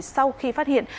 sau khi phát hiện